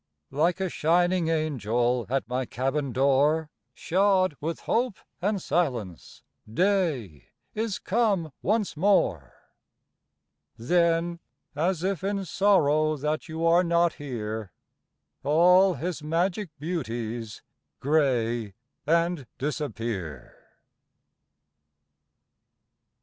Like a shining angel At my cabin door, Shod with hope and silence, Day is come once more. Then, as if in sorrow That you are not here, All his magic beauties Gray and disappear.